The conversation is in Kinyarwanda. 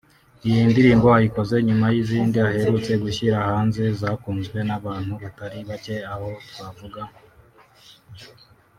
Iyi ndirimbo ayikoze nyuma y’izindi aherutse gushyira hanze zakunzwe n’abantu batari bacye aho twavuga